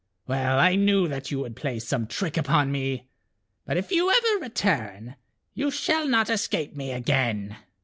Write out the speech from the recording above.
Well I knew that you would play some trick upon me. But if you ever return, you shall not escape me again."